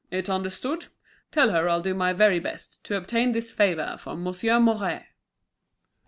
it's understood. Tell her I'll do my best to obtain this favour from Monsieur Mouret."